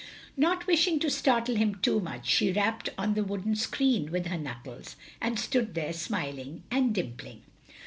Not wishing to startle him too much, she rapped on the wooden screen with her knuckles, and stood ther^ smiling and dimpling.